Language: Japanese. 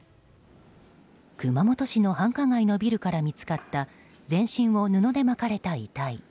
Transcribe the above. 熊本市の繁華街のビルから見つかった全身を布で巻かれた遺体。